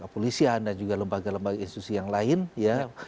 polisian dan juga lembaga lembaga institusi yang lain ya